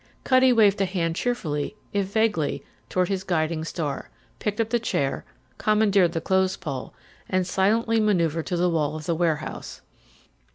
Cutty waved a hand cheerfully if vaguely toward his guiding star, picked up the chair, commandeered the clothes pole, and silently manoeuvred to the wall of the warehouse.